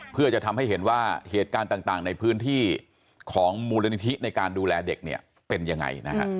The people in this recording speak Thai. เพื่อจะทำให้เห็นว่าเหตุการณ์ต่างในพื้นที่ของมูลนิธิในการดูแลเด็กเนี่ยเป็นยังไงนะฮะ